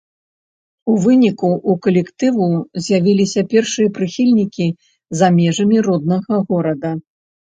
У выніку у калектыву з'явіліся першыя прыхільнікі за межамі роднага горада.